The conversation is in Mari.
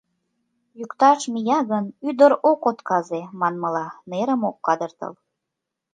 Йӱкташ мия гын, ӱдыр ок отказе, манмыла, нерым ок кадыртыл.